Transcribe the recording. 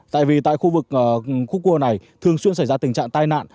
tại vì tại khu vực khúc cua này thường xuyên xảy ra tình trạng tai nạn